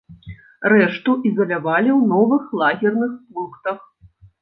Рэшту ізалявалі ў новых лагерных пунктах.